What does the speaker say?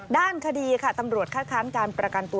ด้านคดีค่ะตำรวจคัดค้านการประกันตัว